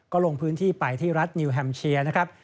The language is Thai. ก็ลงพื้นที่ไปที่รัฐนิวแฮมเชียนะครับ